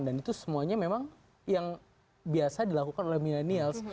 dan itu semuanya memang yang biasa dilakukan oleh milenial